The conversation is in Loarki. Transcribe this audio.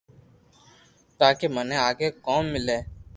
تاڪي مني آگي ڪوم ملي